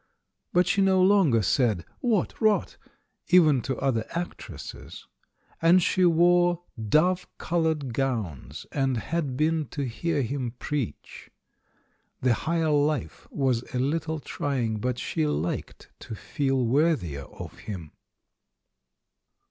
but she no longer said "What rot!" even to other actresses ; and she wore dove coloured gowns, and had been to hear him preach. The higher life was a little trying, but she liked to feel worthier of him.